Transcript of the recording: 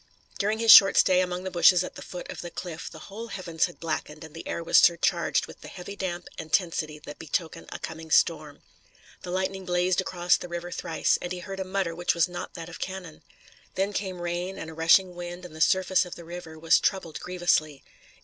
During his short stay among the bushes at the foot of the cliff the whole heavens had blackened and the air was surcharged with the heavy damp and tensity that betoken a coming storm. The lightning blazed across the river thrice, and he heard a mutter which was not that of cannon. Then came rain and a rushing wind and the surface of the river was troubled grievously.